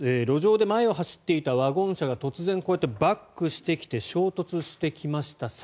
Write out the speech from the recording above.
路上で前を走っていたワゴン車が突然、こうやってバックしてきて衝突してきました。